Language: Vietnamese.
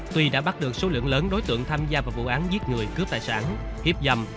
tuy đã bắt được số lượng lớn đối tượng tham gia vào vụ án giết người cướp tài sản hiếp dâm